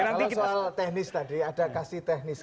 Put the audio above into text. kalau soal teknis tadi ada kasih teknis